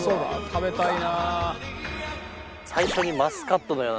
食べたいなあ。